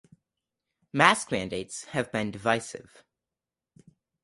Mask mandates have been divisive.